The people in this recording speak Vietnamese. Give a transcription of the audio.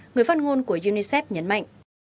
người phát ngôn của unicef nhấn mạnh